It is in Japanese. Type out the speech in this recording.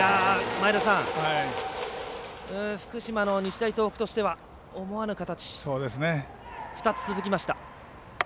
福島の日大東北としては思わぬ形が２つ続きました。